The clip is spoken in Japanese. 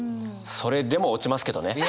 それでも落ちますけどね！